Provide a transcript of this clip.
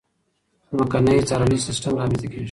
ځمکنی څارنیز سیستم رامنځته کېږي.